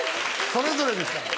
それぞれですから。